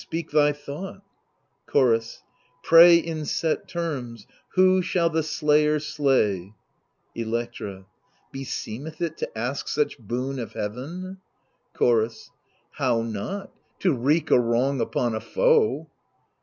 speak thy thought Chorus Pray in set terms, Who shall the slayer slay. Electra Beseemeth it to ask such boon of heaven ? THE LIBATION BEARERS 87 Chorus How not, to wreak a wrong upon a foe